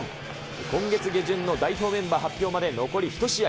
今月下旬の代表メンバー発表まで、残り１試合。